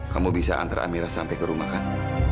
kamu bisa antar amira sampai ke rumah kan